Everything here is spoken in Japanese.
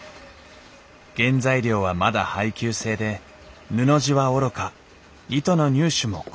原材料はまだ配給制で布地はおろか糸の入手も困難でした